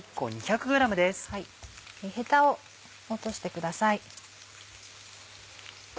ヘタを落としてください。